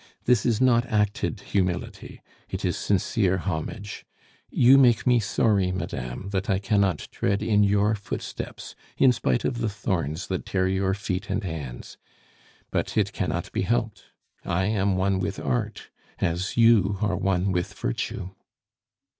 This is not acted humility; it is sincere homage. You make me sorry, madame, that I cannot tread in your footsteps, in spite of the thorns that tear your feet and hands. But it cannot be helped! I am one with art, as you are one with virtue."